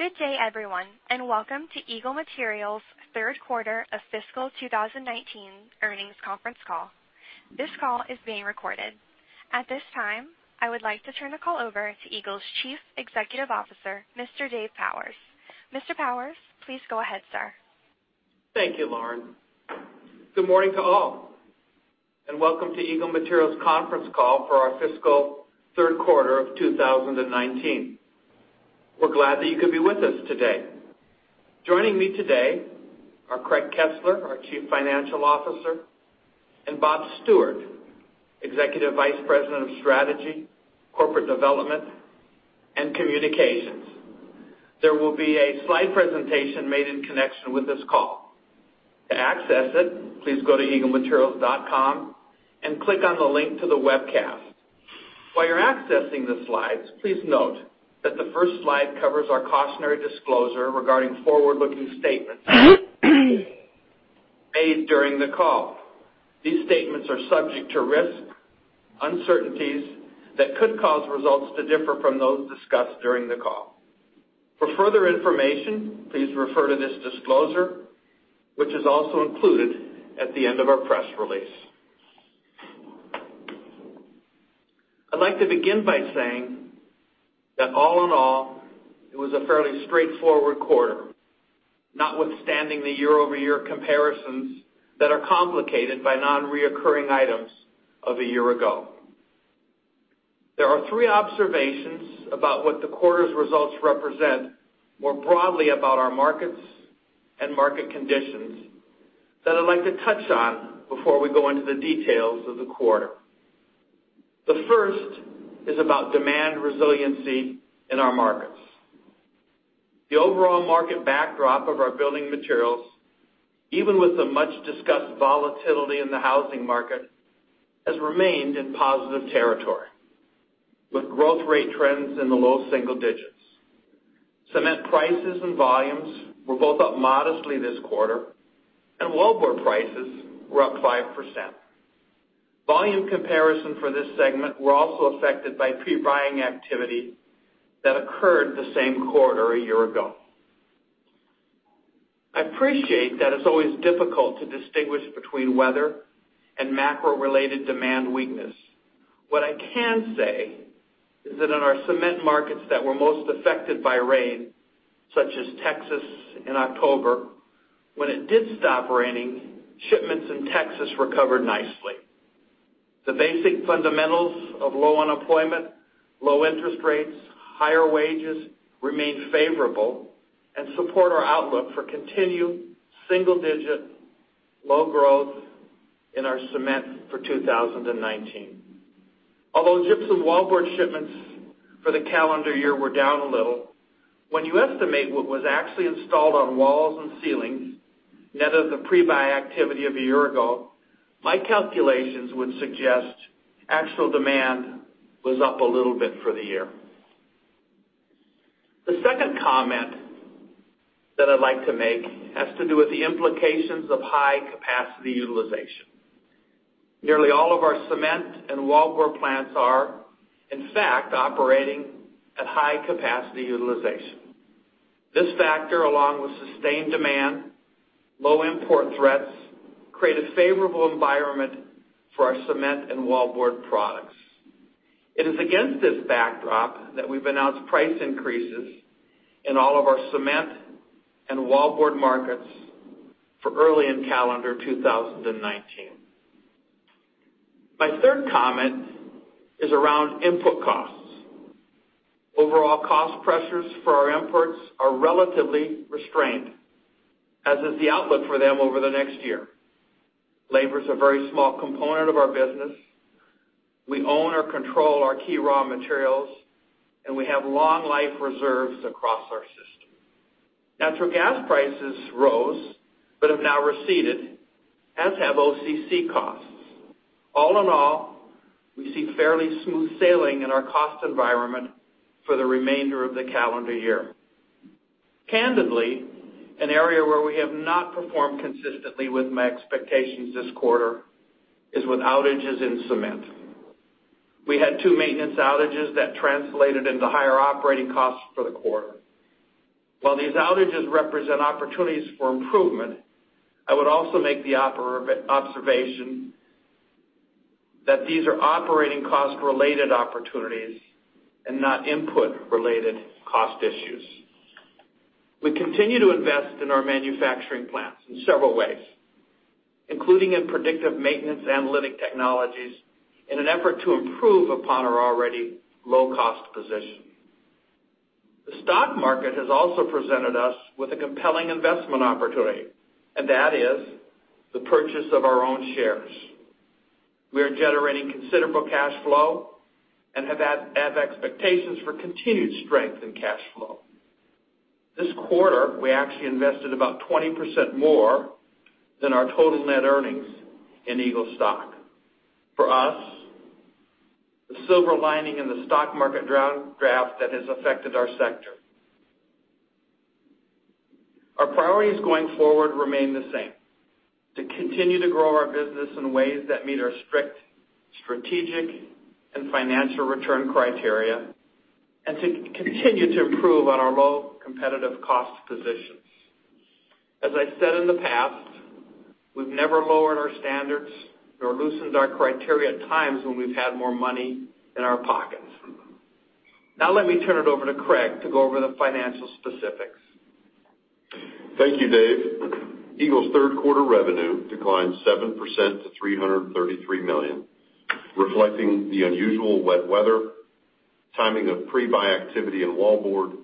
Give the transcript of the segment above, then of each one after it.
Good day everyone. Welcome to Eagle Materials third quarter of fiscal 2019 earnings conference call. This call is being recorded. At this time, I would like to turn the call over to Eagle's Chief Executive Officer, Mr. Dave Powers. Mr. Powers, please go ahead, sir. Thank you, Lauren. Good morning to all. Welcome to Eagle Materials conference call for our fiscal third quarter of 2019. We're glad that you could be with us today. Joining me today are Craig Kesler, our Chief Financial Officer, and Bob Stewart, Executive Vice President of Strategy, Corporate Development, and Communications. There will be a slide presentation made in connection with this call. To access it, please go to eaglematerials.com and click on the link to the webcast. While you're accessing the slides, please note that the first slide covers our cautionary disclosure regarding forward-looking statements made during the call. These statements are subject to risk, uncertainties that could cause results to differ from those discussed during the call. For further information, please refer to this disclosure, which is also included at the end of our press release. I'd like to begin by saying that all in all, it was a fairly straightforward quarter, notwithstanding the year-over-year comparisons that are complicated by non-recurring items of a year ago. There are three observations about what the quarter's results represent, more broadly about our markets and market conditions, that I'd like to touch on before we go into the details of the quarter. The first is about demand resiliency in our markets. The overall market backdrop of our building materials, even with the much-discussed volatility in the housing market, has remained in positive territory, with growth rate trends in the low single digits. Cement prices and volumes were both up modestly this quarter, and wallboard prices were up 5%. Volume comparison for this segment were also affected by pre-buying activity that occurred the same quarter a year ago. I appreciate that it's always difficult to distinguish between weather and macro-related demand weakness. What I can say is that in our cement markets that were most affected by rain, such as Texas in October, when it did stop raining, shipments in Texas recovered nicely. The basic fundamentals of low unemployment, low interest rates, higher wages remain favorable and support our outlook for continued single-digit low growth in our cement for 2019. Although gypsum wallboard shipments for the calendar year were down a little, when you estimate what was actually installed on walls and ceilings, net of the pre-buy activity of a year ago, my calculations would suggest actual demand was up a little bit for the year. The second comment that I'd like to make has to do with the implications of high capacity utilization. Nearly all of our cement and wallboard plants are, in fact, operating at high capacity utilization. This factor, along with sustained demand, low import threats, create a favorable environment for our cement and wallboard products. It is against this backdrop that we've announced price increases in all of our cement and wallboard markets for early in calendar 2019. My third comment is around input costs. Overall cost pressures for our imports are relatively restrained, as is the outlook for them over the next year. Labor is a very small component of our business. We own or control our key raw materials, and we have long life reserves across our system. Natural gas prices rose but have now receded, as have OCC costs. All in all, we see fairly smooth sailing in our cost environment for the remainder of the calendar year. Candidly, an area where we have not performed consistently with my expectations this quarter is with outages in cement. We had two maintenance outages that translated into higher operating costs for the quarter. While these outages represent opportunities for improvement, I would also make the observation that these are operating cost-related opportunities and not input-related cost issues. We continue to invest in our manufacturing plants in several ways, including in predictive maintenance analytic technologies, in an effort to improve upon our already low-cost position. The stock market has also presented us with a compelling investment opportunity, and that is the purchase of our own shares. We are generating considerable cash flow and have expectations for continued strength in cash flow. This quarter, we actually invested about 20% more than our total net earnings in Eagle stock. For us, the silver lining in the stock market draft that has affected our sector. Our priorities going forward remain the same: to continue to grow our business in ways that meet our strict strategic and financial return criteria, and to continue to improve on our low competitive cost positions. As I said in the past, we've never lowered our standards nor loosened our criteria at times when we've had more money in our pockets. Let me turn it over to Craig to go over the financial specifics. Thank you, Dave. Eagle's third quarter revenue declined 7% to $333 million, reflecting the unusual wet weather, timing of pre-buy activity in wallboard,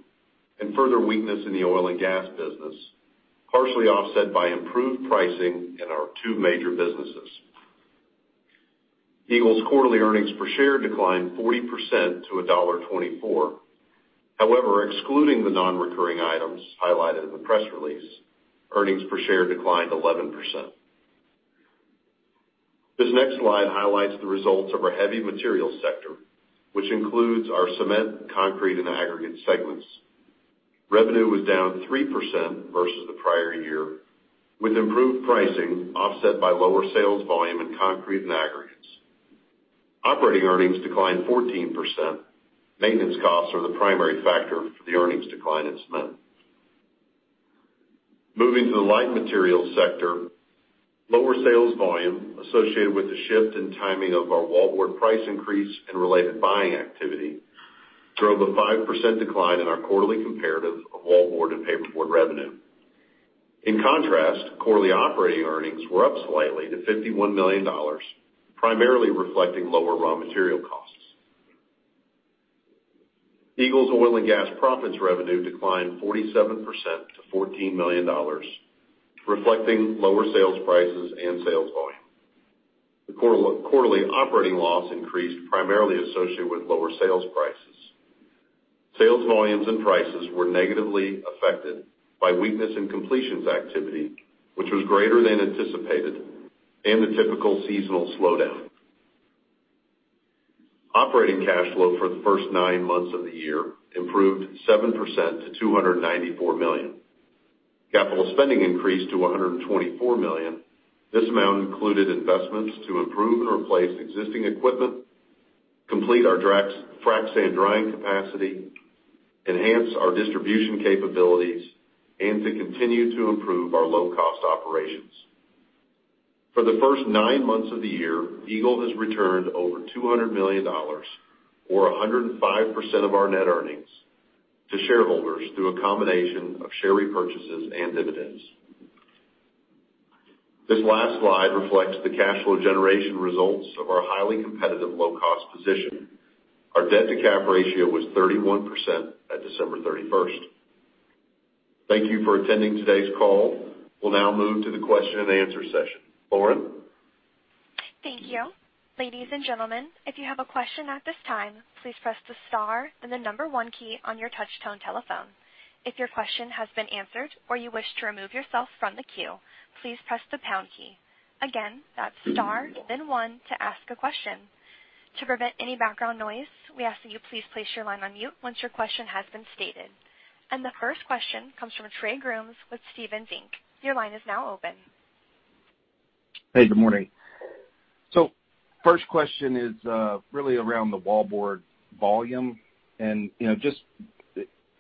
and further weakness in the oil and gas business, partially offset by improved pricing in our two major businesses. Eagle's quarterly earnings per share declined 40% to $1.24. However, excluding the non-recurring items highlighted in the press release, earnings per share declined 11%. This next slide highlights the results of our heavy materials sector, which includes our cement, concrete, and aggregate segments. Revenue was down 3% versus the prior year, with improved pricing offset by lower sales volume in concrete and aggregates. Operating earnings declined 14%. Maintenance costs are the primary factor for the earnings decline in cement. Moving to the light materials sector, lower sales volume associated with the shift in timing of our wallboard price increase and related buying activity drove a 5% decline in our quarterly comparative of wallboard and Paperboard revenue. In contrast, quarterly operating earnings were up slightly to $51 million, primarily reflecting lower raw material costs. Eagle's oil and gas proppants revenue declined 47% to $14 million, reflecting lower sales prices and sales volume. The quarterly operating loss increased primarily associated with lower sales prices. Sales volumes and prices were negatively affected by weakness in completions activity, which was greater than anticipated, and the typical seasonal slowdown. Operating cash flow for the first nine months of the year improved 7% to $294 million. Capital spending increased to $124 million. This amount included investments to improve and replace existing equipment, complete our frac sand drying capacity, enhance our distribution capabilities, and to continue to improve our low-cost operations. For the first nine months of the year, Eagle has returned over $200 million, or 105% of our net earnings, to shareholders through a combination of share repurchases and dividends. This last slide reflects the cash flow generation results of our highly competitive low-cost position. Our debt to cap ratio was 31% at December 31st. Thank you for attending today's call. We'll now move to the question and answer session. Lauren? Thank you. Ladies and gentlemen, if you have a question at this time, please press the star and the number one key on your touchtone telephone. If your question has been answered or you wish to remove yourself from the queue, please press the pound key. Again, that's star, then one to ask a question. To prevent any background noise, we ask that you please place your line on mute once your question has been stated. The first question comes from Trey Grooms with Stephens Inc. Your line is now open. Hey, good morning. First question is really around the wallboard volume, and just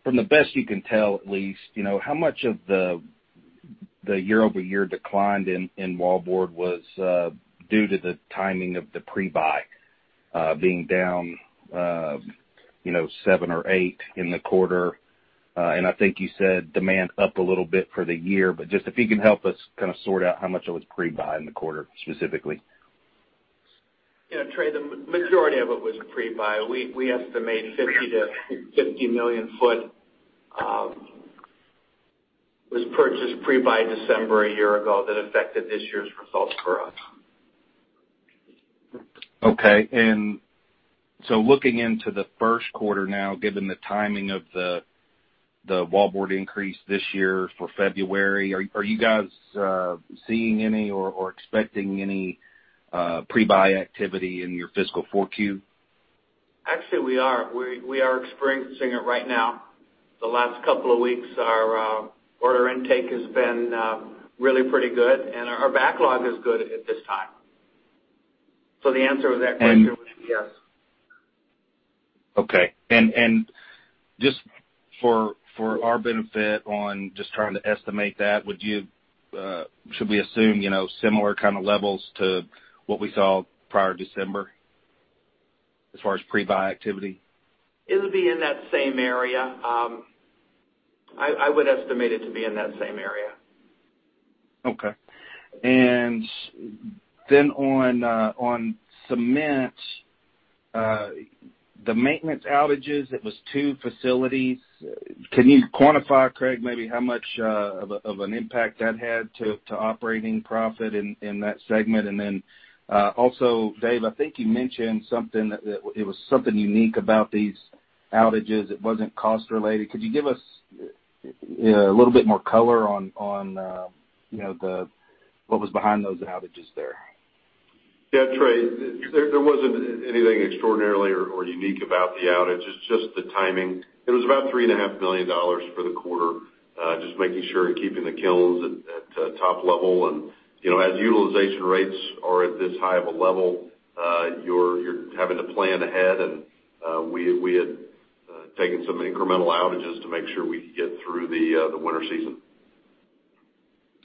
from the best you can tell, at least, how much of the year-over-year decline in wallboard was due to the timing of the pre-buy being down seven or eight in the quarter? I think you said demand up a little bit for the year, but just if you can help us kind of sort out how much it was pre-buy in the quarter specifically. Yeah, Trey, the majority of it was pre-buy. We estimate 50 million foot was purchased pre-buy December a year ago that affected this year's results for us. Okay. Looking into the first quarter now, given the timing of the wallboard increase this year for February, are you guys seeing any or expecting any pre-buy activity in your fiscal 4Q? Actually, we are. We are experiencing it right now. The last couple of weeks, our order intake has been really pretty good, and our backlog is good at this time. The answer to that question would be yes. Okay. Just for our benefit on just trying to estimate that, should we assume similar kind of levels to what we saw prior to December as far as pre-buy activity? It would be in that same area. I would estimate it to be in that same area. Okay. Then on cement, the maintenance outages, it was two facilities. Can you quantify, Craig, maybe how much of an impact that had to operating profit in that segment? Also, Dave, I think you mentioned it was something unique about these outages. It wasn't cost related. Could you give us a little bit more color on what was behind those outages there? Yeah, Trey, there wasn't anything extraordinarily or unique about the outage. It's just the timing. It was about $3.5 million for the quarter, just making sure and keeping the kilns at top level. As utilization rates are at this high of a level, you're having to plan ahead. We had taken some incremental outages to make sure we could get through the winter season.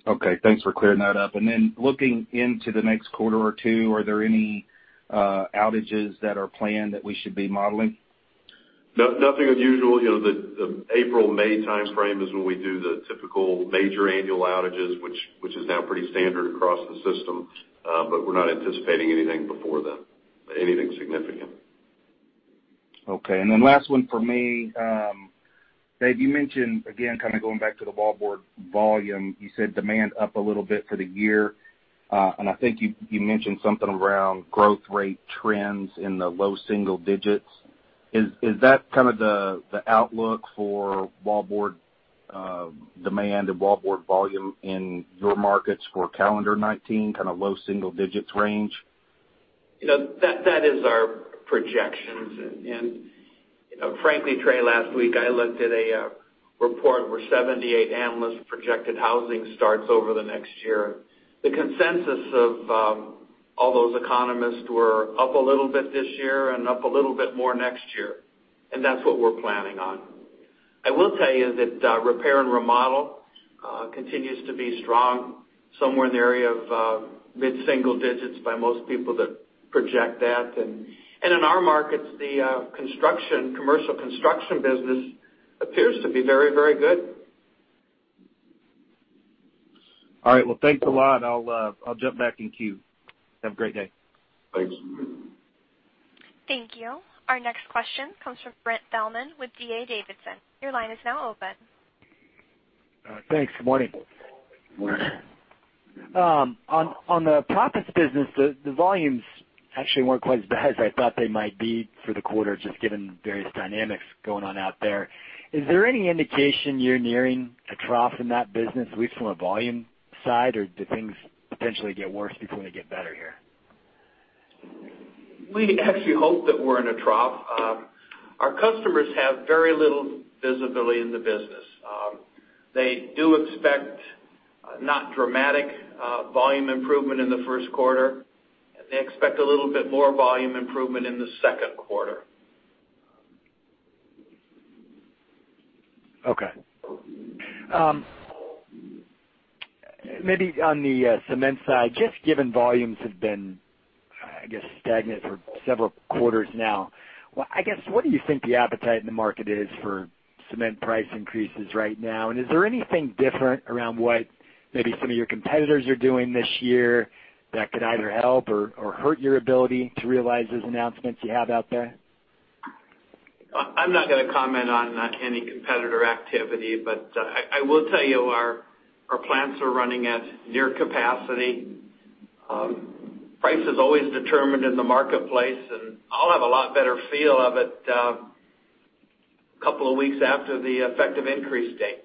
Okay. Thanks for clearing that up. Then looking into the next quarter or two, are there any outages that are planned that we should be modeling? Nothing unusual. The April-May timeframe is when we do the typical major annual outages, which is now pretty standard across the system. We're not anticipating anything before then, anything significant. Okay. Last one for me. Dave, you mentioned, again, kind of going back to the wallboard volume, you said demand up a little bit for the year. I think you mentioned something around growth rate trends in the low single digits. Is that kind of the outlook for wallboard demand and wallboard volume in your markets for calendar 2019, kind of low single digits range? That is our projections. Frankly, Trey, last week, I looked at a report where 78 analysts projected housing starts over the next year. The consensus of all those economists were up a little bit this year and up a little bit more next year, and that's what we're planning on. I will tell you that repair and remodel continues to be strong, somewhere in the area of mid-single digits by most people that project that. In our markets, the commercial construction business appears to be very, very good. All right. Well, thanks a lot. I'll jump back in queue. Have a great day. Thanks. Thank you. Our next question comes from Brent Thielman with D.A. Davidson. Your line is now open. Thanks. Good morning. Morning. On the proppants business, the volumes actually weren't quite as bad as I thought they might be for the quarter, just given various dynamics going on out there. Is there any indication you're nearing a trough in that business, at least from a volume side, or do things potentially get worse before they get better here? We actually hope that we're in a trough. Our customers have very little visibility in the business. They do expect not dramatic volume improvement in the first quarter. They expect a little bit more volume improvement in the second quarter. Okay. Maybe on the cement side, just given volumes have been, I guess, stagnant for several quarters now, I guess, what do you think the appetite in the market is for cement price increases right now? Is there anything different around what maybe some of your competitors are doing this year that could either help or hurt your ability to realize those announcements you have out there? I'm not going to comment on any competitor activity, but I will tell you our plants are running at near capacity. Price is always determined in the marketplace. I'll have a lot better feel of it a couple of weeks after the effective increase date.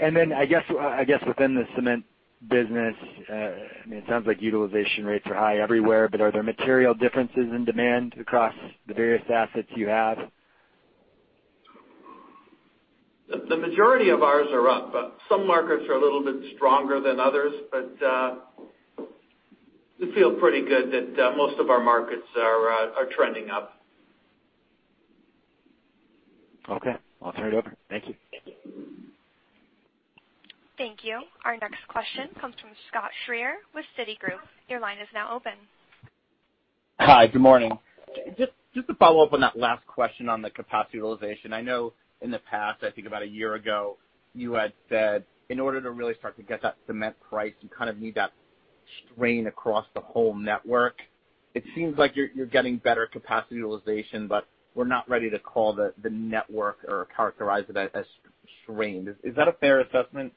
Okay. I guess within the cement business, it sounds like utilization rates are high everywhere, but are there material differences in demand across the various assets you have? The majority of ours are up. Some markets are a little bit stronger than others, but we feel pretty good that most of our markets are trending up. Okay. I'll turn it over. Thank you. Thank you. Our next question comes from Scott Schrier with Citigroup. Your line is now open. Hi. Good morning. Just to follow up on that last question on the capacity utilization. I know in the past, I think about a year ago, you had said in order to really start to get that cement price, you kind of need that strain across the whole network. It seems like you're getting better capacity utilization, but we're not ready to call the network or characterize it as strained. Is that a fair assessment?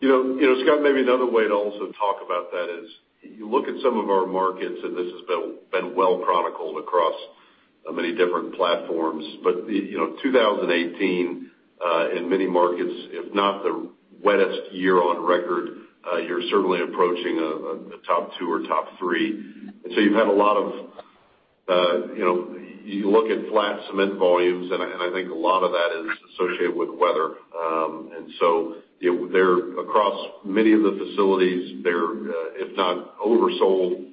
Scott, maybe another way to also talk about that is you look at some of our markets, and this has been well chronicled across many different platforms. 2018, in many markets, if not the wettest year on record, you're certainly approaching a top two or top three. You look at flat cement volumes, and I think a lot of that is associated with weather. Across many of the facilities, they're, if not oversold,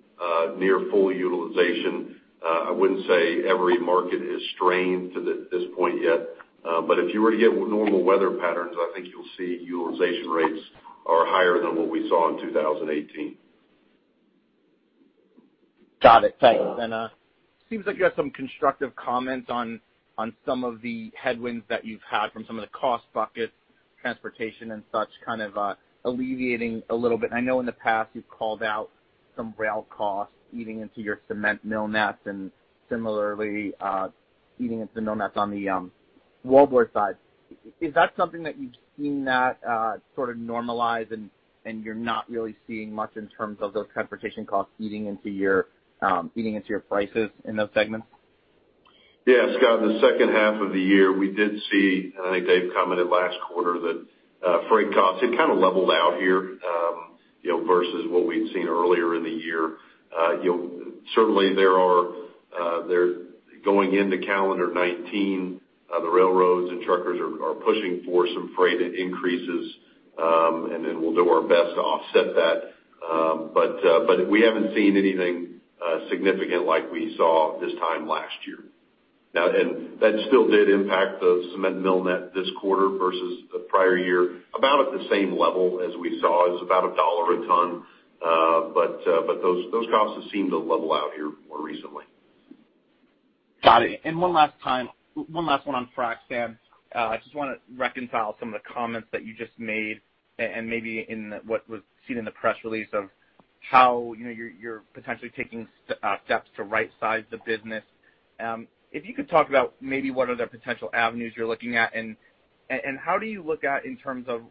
near full utilization. I wouldn't say every market is strained at this point yet. If you were to get normal weather patterns, I think you'll see utilization rates are higher than what we saw in 2018. Got it. Thanks. It seems like you had some constructive comments on some of the headwinds that you've had from some of the cost buckets, transportation, and such kind of alleviating a little bit. I know in the past you've called out some rail costs eating into your cement mill net and similarly, eating into mill nets on the wallboard side. Is that something that you've seen that sort of normalize and you're not really seeing much in terms of those transportation costs eating into your prices in those segments? Yeah, Scott, in the second half of the year, we did see, and I think Dave commented last quarter, that freight costs had kind of leveled out here versus what we'd seen earlier in the year. Certainly, going into calendar 2019, the railroads and truckers are pushing for some freight increases, then we'll do our best to offset that. We haven't seen anything significant like we saw this time last year. That still did impact the cement mill net this quarter versus the prior year, about at the same level as we saw. It was about $1 a ton. Those costs have seemed to level out here more recently. Got it. One last one on frac sand. I just want to reconcile some of the comments that you just made, and maybe in what was seen in the press release of how you're potentially taking steps to right-size the business. If you could talk about maybe what other potential avenues you're looking at, how do you look at in terms of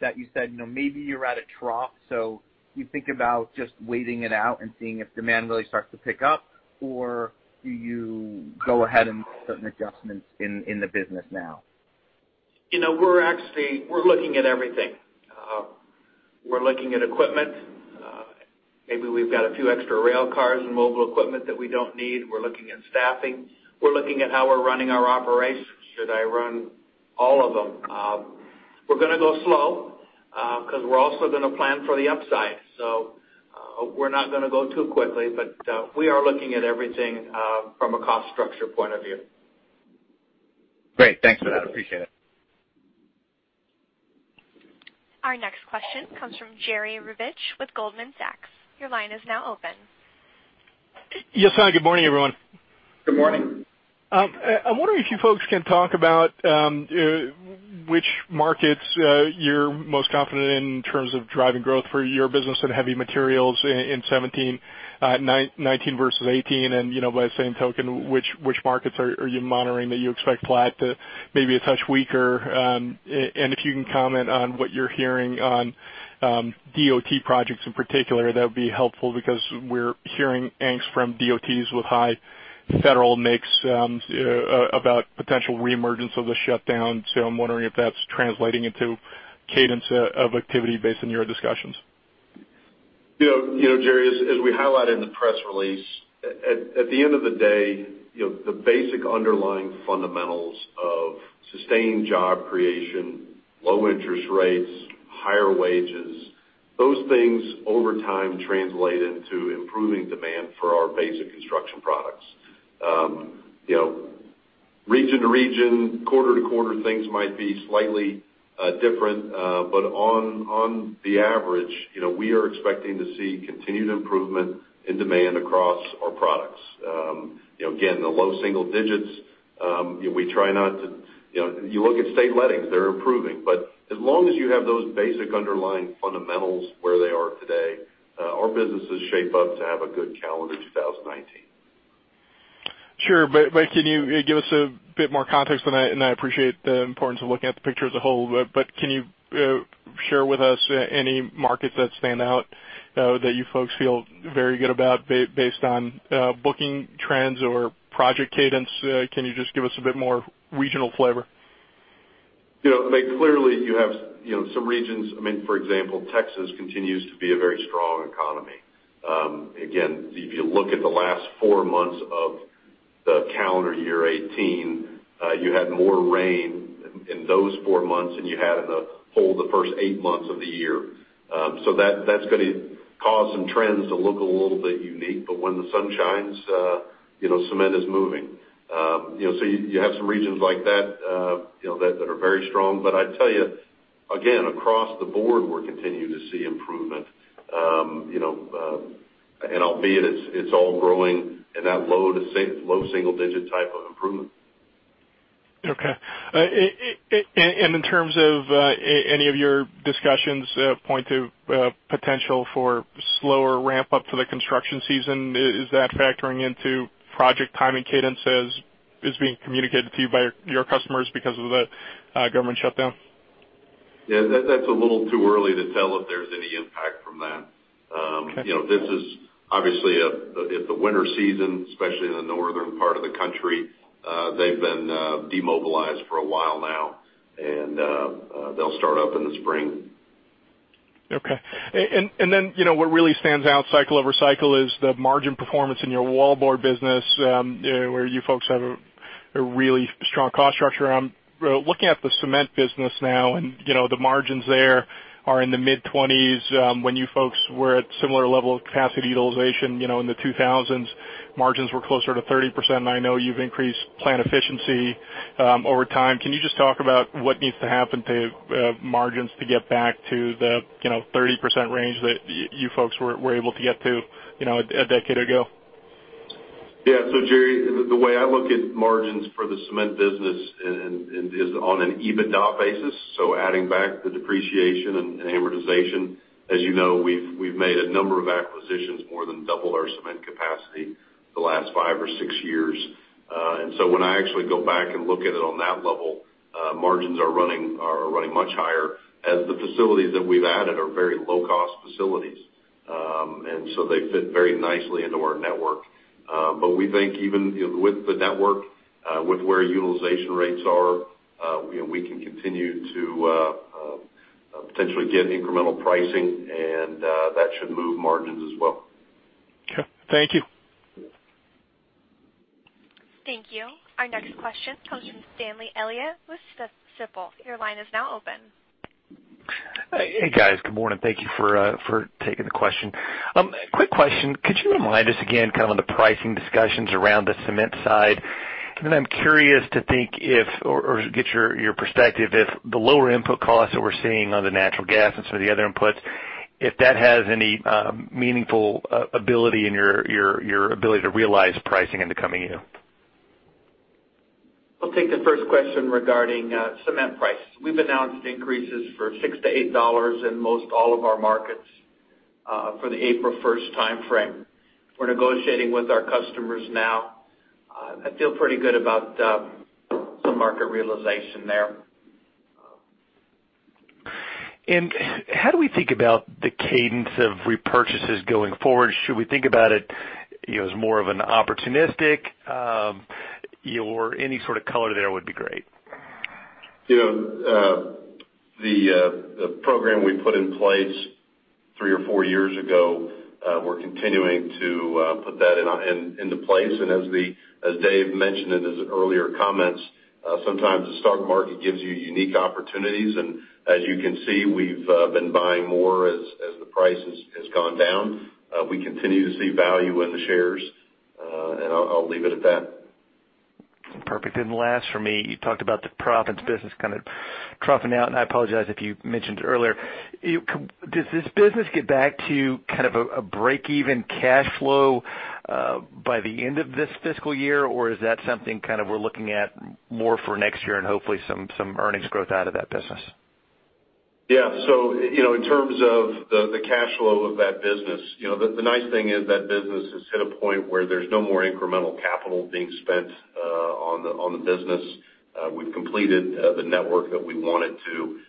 that you said, maybe you're at a trough, you think about just waiting it out and seeing if demand really starts to pick up? Do you go ahead and make certain adjustments in the business now? We're looking at everything. We're looking at equipment. Maybe we've got a few extra rail cars and mobile equipment that we don't need. We're looking at staffing. We're looking at how we're running our operations. Should I run all of them? We're going to go slow, because we're also going to plan for the upside. We're not going to go too quickly, we are looking at everything from a cost structure point of view. Great. Thanks for that. Appreciate it. Our next question comes from Jerry Revich with Goldman Sachs. Your line is now open. Yes. Good morning, everyone. Good morning. I'm wondering if you folks can talk about which markets you're most confident in in terms of driving growth for your business and heavy materials in 2017, 2019 versus 2018. By the same token, which markets are you monitoring that you expect flat to maybe a touch weaker? If you can comment on what you're hearing on DOT projects in particular, that would be helpful because we're hearing angst from DOTs with high federal match about potential reemergence of the shutdown. I'm wondering if that's translating into cadence of activity based on your discussions. Jerry, as we highlighted in the press release, at the end of the day, the basic underlying fundamentals of sustained job creation, low interest rates, higher wages, those things over time translate into improving demand for our basic construction products. Region to region, quarter to quarter, things might be slightly different. On the average, we are expecting to see continued improvement in demand across our products. Again, the low single digits, you look at state lettings, they're improving. As long as you have those basic underlying fundamentals where they are today, our businesses shape up to have a good calendar 2019. Sure. Can you give us a bit more context? I appreciate the importance of looking at the picture as a whole, but can you share with us any markets that stand out that you folks feel very good about based on booking trends or project cadence? Can you just give us a bit more regional flavor? Clearly, you have some regions. For example, Texas continues to be a very strong economy. Again, if you look at the last four months of the calendar year 2018, you had more rain in those four months than you had in the whole the first eight months of the year. That's going to cause some trends to look a little bit unique, but when the sun shines, cement is moving. You have some regions like that are very strong. I tell you, again, across the board, we're continuing to see improvement. Albeit it's all growing in that low single digit type of improvement. Okay. In terms of any of your discussions point to potential for slower ramp up to the construction season, is that factoring into project timing cadences being communicated to you by your customers because of the government shutdown? Yeah. That's a little too early to tell if there's any impact from that. Okay. This is obviously the winter season, especially in the northern part of the country. They've been demobilized for a while now, and they'll start up in the spring. Then, what really stands out cycle over cycle is the margin performance in your wallboard business, where you folks have a really strong cost structure. Looking at the cement business now and the margins there are in the mid-20s. When you folks were at similar level of capacity utilization in the 2000s, margins were closer to 30%, and I know you've increased plant efficiency over time. Can you just talk about what needs to happen to margins to get back to the 30% range that you folks were able to get to a decade ago? Yeah. Jerry, the way I look at margins for the cement business is on an EBITDA basis, so adding back the depreciation and amortization. As you know, we've made a number of acquisitions, more than double our cement capacity the last five or six years. When I actually go back and look at it on that level, margins are running much higher as the facilities that we've added are very low-cost facilities. They fit very nicely into our network. We think even with the network, with where utilization rates are, we can continue to potentially get incremental pricing, and that should move margins as well. Okay. Thank you. Thank you. Our next question comes from Stanley Elliott with Stifel. Your line is now open. Hey, guys. Good morning. Thank you for taking the question. Quick question. Could you remind us again on the pricing discussions around the cement side? I'm curious to think if, or get your perspective if the lower input costs that we're seeing on the natural gas and some of the other inputs, if that has any meaningful ability in your ability to realize pricing in the coming year. I'll take the first question regarding cement price. We've announced increases for $6-$8 in most all of our markets for the April 1st timeframe. We're negotiating with our customers now. I feel pretty good about some market realization there. How do we think about the cadence of repurchases going forward? Should we think about it as more of an opportunistic, or any sort of color there would be great. The program we put in place three or four years ago, we're continuing to put that into place. As Dave mentioned in his earlier comments, sometimes the stock market gives you unique opportunities, as you can see, we've been buying more as the price has gone down. We continue to see value in the shares. I'll leave it at that. Perfect. Last for me, you talked about the proppants business kind of dropping out, and I apologize if you mentioned it earlier. Does this business get back to kind of a break-even cash flow by the end of this fiscal year, or is that something we're looking at more for next year and hopefully some earnings growth out of that business? Yeah. In terms of the cash flow of that business, the nice thing is that business has hit a point where there's no more incremental capital being spent on the business. We've completed the network that we wanted to.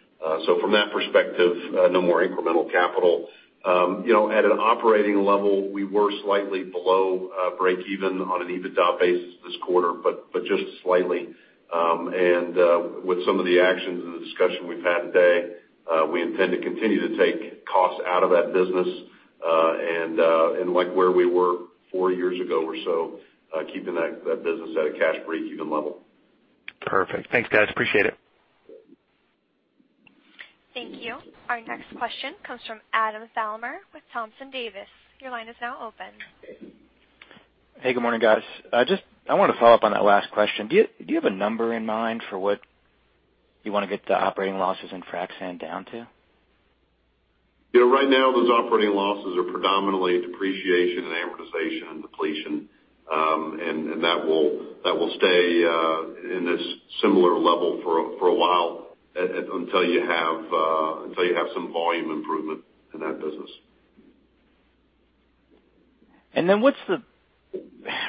From that perspective, no more incremental capital. At an operating level, we were slightly below break-even on an EBITDA basis this quarter, but just slightly. With some of the actions and the discussion we've had today, we intend to continue to take costs out of that business, and like where we were four years ago or so, keeping that business at a cash break-even level. Perfect. Thanks, guys. Appreciate it. Thank you. Our next question comes from Adam Thalhimer with Thompson Davis. Your line is now open. Hey, good morning, guys. I want to follow up on that last question. Do you have a number in mind for what you want to get the operating losses in frac sand down to? Right now, those operating losses are predominantly depreciation in amortization and depletion. That will stay in this similar level for a while, until you have some volume improvement in that business.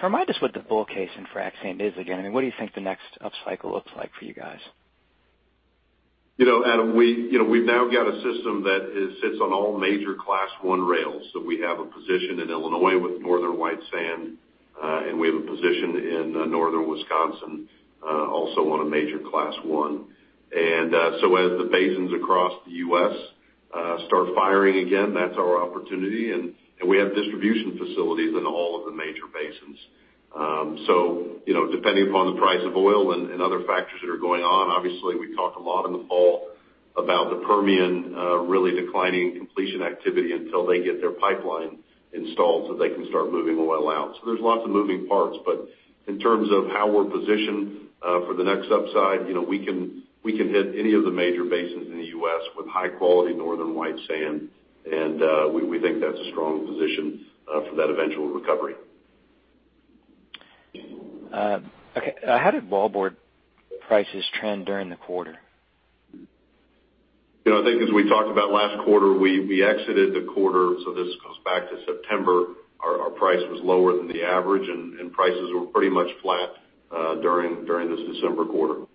Remind us what the bull case in frac sand is again, and what do you think the next upcycle looks like for you guys? Adam, we've now got a system that sits on all major Class I rails. We have a position in Illinois with Northern White Sand, and we have a position in northern Wisconsin, also on a major Class I. As the basins across the U.S. start firing again, that's our opportunity, and we have distribution facilities in all of the major basins. Depending upon the price of oil and other factors that are going on, obviously, we talked a lot in the fall about the Permian really declining completion activity until they get their pipeline installed so they can start moving oil out. There's lots of moving parts, but in terms of how we're positioned for the next upside, we can hit any of the major basins in the U.S. with high-quality Northern White Sand. We think that's a strong position for that eventual recovery. Okay. How did wallboard prices trend during the quarter? I think as we talked about last quarter, we exited the quarter, so this goes back to September, our price was lower than the average, and prices were pretty much flat during this December quarter.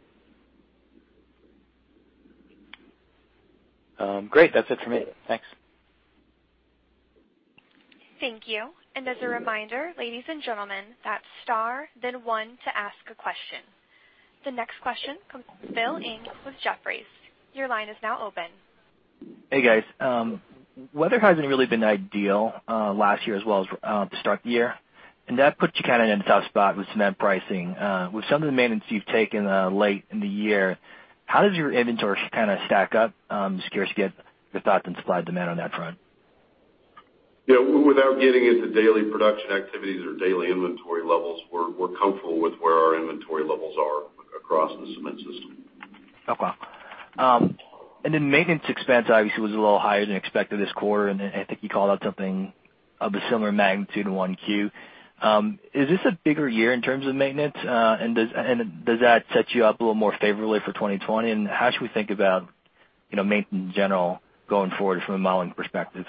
Great. That's it for me. Thanks. Thank you. As a reminder, ladies and gentlemen, that's star then one to ask a question. The next question comes from Philip Ng with Jefferies. Your line is now open. Hey, guys. Weather hasn't really been ideal last year as well as to start the year. That puts you kind of in a tough spot with cement pricing. With some of the maintenance you've taken late in the year, how does your inventory kind of stack up? I'm just curious to get your thoughts on supply demand on that front. Without getting into daily production activities or daily inventory levels, we're comfortable with where our inventory levels are across the cement system. Okay. Maintenance expense obviously was a little higher than expected this quarter, and I think you called out something of a similar magnitude in 1Q. Is this a bigger year in terms of maintenance? Does that set you up a little more favorably for 2020, and how should we think about maintenance in general going forward from a modeling perspective?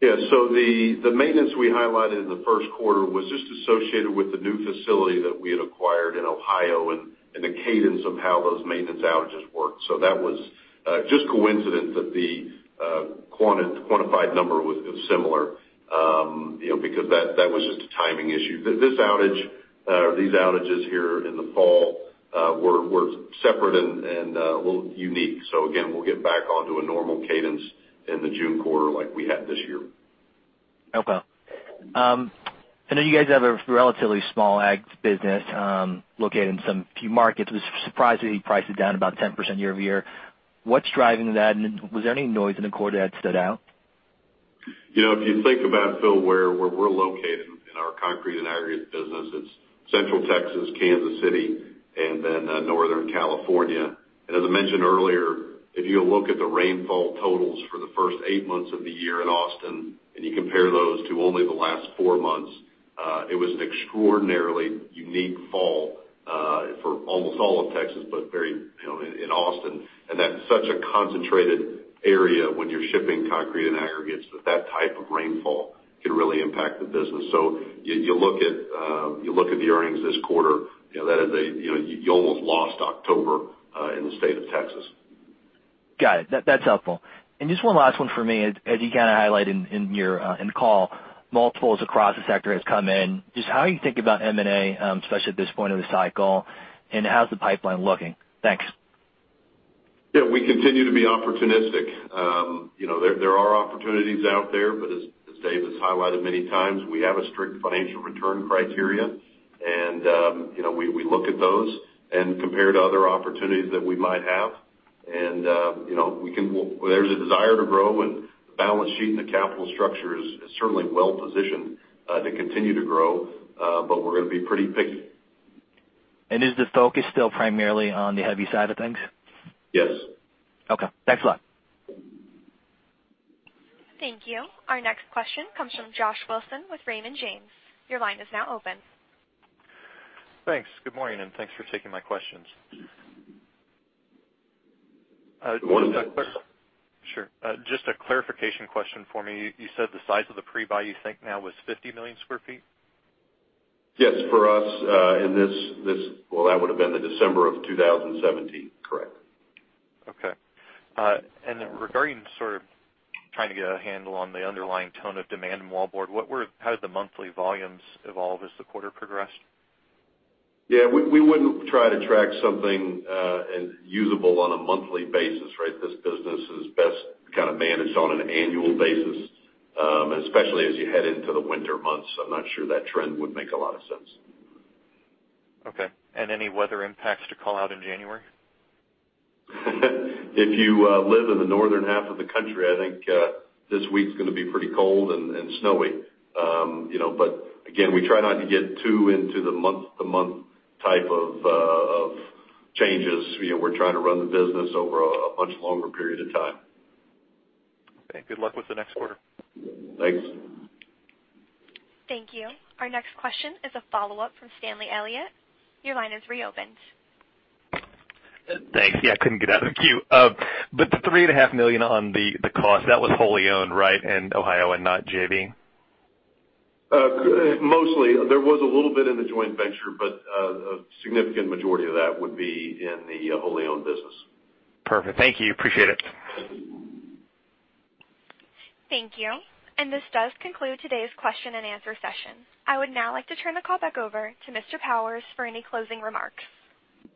Yeah. The maintenance we highlighted in the first quarter was just associated with the new facility that we had acquired in Ohio and the cadence of how those maintenance outages worked. That was just coincidence that the quantified number was similar, because that was just a timing issue. These outages here in the fall were separate and a little unique. Again, we'll get back onto a normal cadence in the June quarter like we had this year. Okay. I know you guys have a relatively small agg business located in some few markets. Was surprised that you priced it down about 10% year-over-year. What's driving that? Was there any noise in the quarter that stood out? Phil, where we're located in our concrete and aggregate business, it's Central Texas, Kansas City, and then Northern California. As I mentioned earlier, if you look at the rainfall totals for the first eight months of the year in Austin, and you compare those to only the last four months, it was an extraordinarily unique fall, for almost all of Texas, but very in Austin. That's such a concentrated area when you're shipping concrete and aggregates, that type of rainfall can really impact the business. You look at the earnings this quarter, you almost lost October in the state of Texas. Got it. That's helpful. Just one last one for me. As you highlighted in the call, multiples across the sector has come in. Just how are you thinking about M&A, especially at this point of the cycle, and how's the pipeline looking? Thanks. Yeah, we continue to be opportunistic. There are opportunities out there, but as Dave has highlighted many times, we have a strict financial return criteria. We look at those and compare to other opportunities that we might have. There's a desire to grow, and the balance sheet and the capital structure is certainly well-positioned to continue to grow. We're gonna be pretty picky. Is the focus still primarily on the heavy side of things? Yes. Okay. Thanks a lot. Thank you. Our next question comes from Josh Wilson with Raymond James. Your line is now open. Thanks. Good morning. Thanks for taking my questions. One second. Sure. Just a clarification question for me. You said the size of the pre-buy you think now was 50 million square feet? Yes, for us, well, that would've been the December of 2017. Correct. Okay. Then regarding sort of trying to get a handle on the underlying tone of demand in wallboard, how did the monthly volumes evolve as the quarter progressed? Yeah, we wouldn't try to track something as usable on a monthly basis, right? This business is best kind of managed on an annual basis. Especially as you head into the winter months. I'm not sure that trend would make a lot of sense. Okay. Any weather impacts to call out in January? If you live in the northern half of the country, I think this week's going to be pretty cold and snowy. Again, we try not to get too into the month-to-month type of changes. We're trying to run the business over a much longer period of time. Okay. Good luck with the next quarter. Thanks. Thank you. Our next question is a follow-up from Stanley Elliott. Your line is reopened. Thanks. Yeah, I couldn't get out of the queue. The $3.5 Million on the cost, that was wholly owned, right, in Ohio and not JV? Mostly. There was a little bit in the joint venture, a significant majority of that would be in the wholly owned business. Perfect. Thank you. Appreciate it. Thank you. This does conclude today's question and answer session. I would now like to turn the call back over to Mr. Powers for any closing remarks. I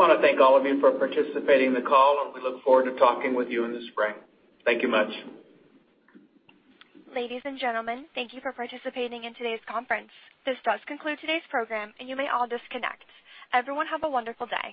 want to thank all of you for participating in the call, and we look forward to talking with you in the spring. Thank you much. Ladies and gentlemen, thank you for participating in today's conference. This does conclude today's program, and you may all disconnect. Everyone have a wonderful day.